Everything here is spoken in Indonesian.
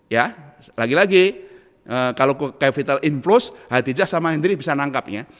ya lagi lagi kalau ke capital influx hadijah sama hendry bisa nangkap ya